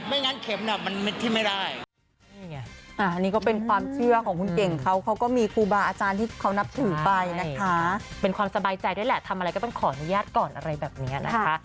ไม่งั้นเข็มมันไม่ได้